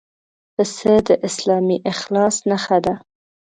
پسه د اسلامي اخلاص نښه ده.